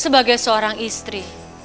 sebagai seorang istri